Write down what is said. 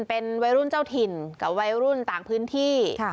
เป็นวัยรุ่นเจ้าถิ่นกับวัยรุ่นต่างพื้นที่